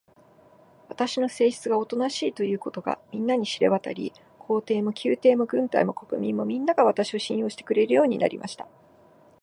私の性質がおとなしいということが、みんなに知れわたり、皇帝も宮廷も軍隊も国民も、みんなが、私を信用してくれるようになりました。